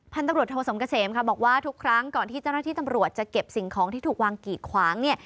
ตำรวจโทสมเกษมค่ะบอกว่าทุกครั้งก่อนที่เจ้าหน้าที่ตำรวจจะเก็บสิ่งของที่ถูกวางกีดขวางเนี่ย